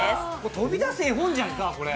飛び出す絵本じゃんか。